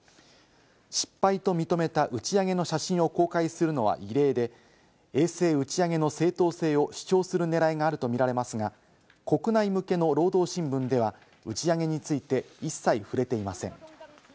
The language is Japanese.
失敗と認めた打ち上げの写真を公開するのは異例で、衛星打ち上げの正当性を主張する狙いがあると見られますが、国内向けの労働新聞では打ち上げについて、一切触れていません。